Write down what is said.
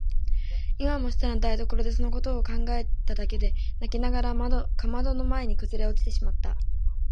今も下の台所でそのことを考えただけで泣きながらかまどの前にくずおれてしまった。